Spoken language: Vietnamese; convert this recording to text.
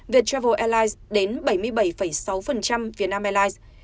việt travel airlines đến bảy mươi bảy sáu việt nam airlines